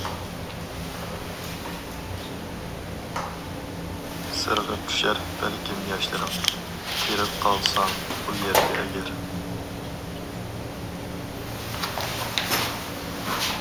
سىرغىپ چۈشەر بەلكىم ياشلىرىڭ، كىرىپ قالساڭ ئۇ يەرگە ئەگەر.